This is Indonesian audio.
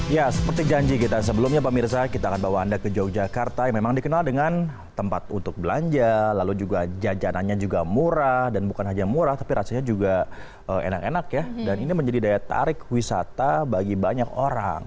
ya seperti janji kita sebelumnya pak mirsa kita akan bawa anda ke yogyakarta yang memang dikenal dengan tempat untuk belanja lalu juga jajanannya juga murah dan bukan hanya murah tapi rasanya juga enak enak ya dan ini menjadi daya tarik wisata bagi banyak orang